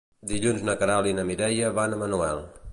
Dilluns na Queralt i na Mireia van a Manuel.